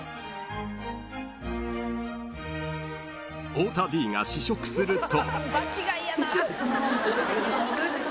［太田Ｄが試食すると］